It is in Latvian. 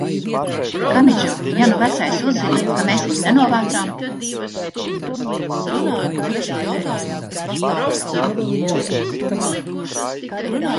Kamidžo, ja nu vecais uzzina, ka mēs viņu nenovācām?